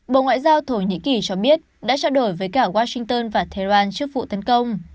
bộ ngoại giao thổ nhĩ kỳ cho biết đã trao đổi với cả washington và tehran trước vụ tấn công